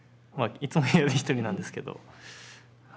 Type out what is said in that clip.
まあいつも部屋で１人なんですけど。